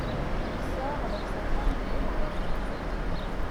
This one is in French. Il sort avec sa femme de ménage.